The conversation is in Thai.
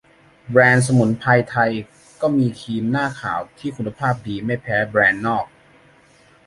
แบรนด์สมุนไพรไทยก็มีครีมหน้าขาวที่คุณภาพดีไม่แพ้แบรนด์นอก